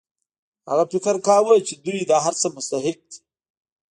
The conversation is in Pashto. هغه فکر کاوه چې دوی د هر څه مستحق دي